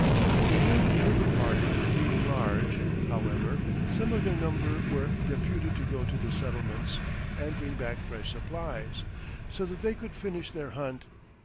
The New River party being large, however, some of their number were deputed to go to the settlements and bring back fresh supplies, so that they could finish their hunt.